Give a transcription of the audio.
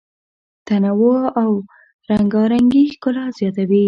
تنوع او رنګارنګي ښکلا زیاتوي.